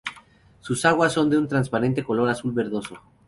Sus aguas son de un transparente color azul verdoso.